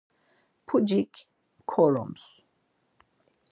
Pucik mǩorums.